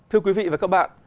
thưa quý vị và các bạn